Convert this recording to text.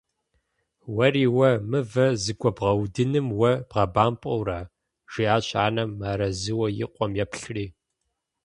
- Уэри уэ, мывэ зэгуэбгъэудыным уэ бгъэбампӏэурэ! – жиӏащ анэм мыарэзыуэ и къуэм еплъри.